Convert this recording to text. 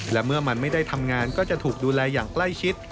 และเมื่อมันไม่ได้ทำงานก็จะถูกดูแลอย่างใกล้ชิด